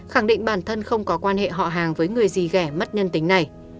khẳng định bản thân không có quan hệ họ hàng với người dì ghẻ mất nhân tính này